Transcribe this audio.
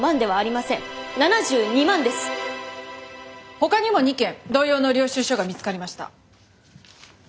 ほかにも２件同様の領収書が見つかりました。